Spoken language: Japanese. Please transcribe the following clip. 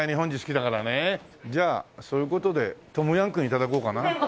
じゃあそういう事でトムヤムクン頂こうかな。